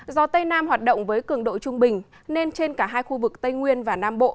gió tây nam hoạt động với cường độ trung bình nên trên cả hai khu vực tây nguyên và nam bộ